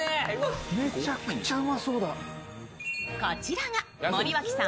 こちらが森脇さん